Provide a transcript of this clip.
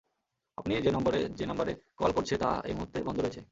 আপনি যে নম্বরে যে নাম্বারে কল করছে তা এই মুহূর্তে বন্ধ রয়েছে।